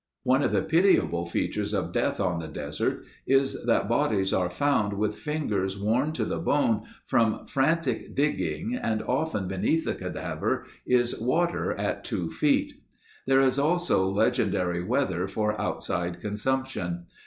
One of the pitiable features of death on the desert is that bodies are found with fingers worn to the bone from frantic digging and often beneath the cadaver is water at two feet. There is also legendary weather for outside consumption.